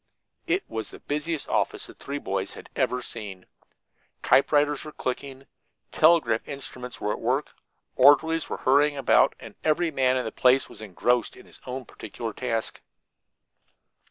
It was the busiest office the three boys had ever seen. Typewriters were clicking, telegraph instruments were at work, orderlies were hurrying about, and every man in the place was engrossed in his own particular task.